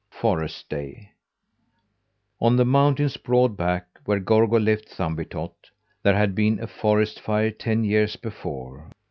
FOREST DAY On the mountain's broad back, where Gorgo left Thumbietot, there had been a forest fire ten years before.